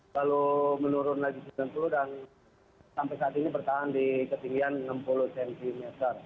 lalu menurun lagi sembilan puluh dan sampai saat ini bertahan di ketinggian enam puluh cm